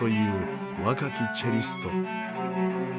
若きチェリスト。